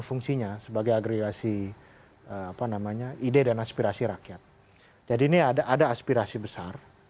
fungsinya sebagai agregasi apa namanya ide dan aspirasi rakyat jadi ini ada ada aspirasi besar